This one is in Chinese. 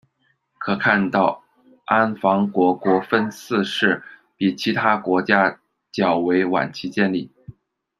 可看到安房国国分寺是比其他国家较为晚期建立。